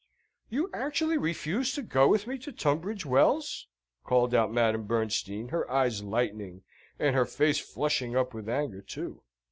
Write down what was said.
"You actually refuse to go with me to Tunbridge Wells?" called out Madame Bernstein, her eyes lightening, and her face flushing up with anger, too.